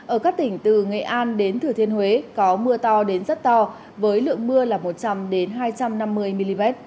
ở các tỉnh từ nghệ an đến thừa thiên huế có mưa to đến rất to với lượng mưa là một trăm linh hai trăm năm mươi mm